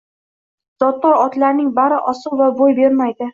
Zotdor otlarning bari asov va bo`y bermaydi